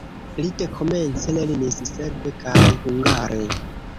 Li dekomence lernis serbe kaj hungare.